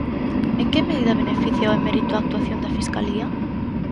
En que medida beneficia o emérito a actuación da Fiscalía?